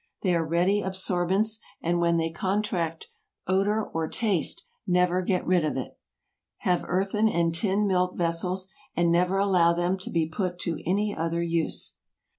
They are ready absorbents, and when they contract odor or taste, never get rid of it. Have earthen and tin milk vessels, and never allow them to be put to any other use.